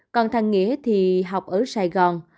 còn thằng nghĩa thì học ở đà nẵng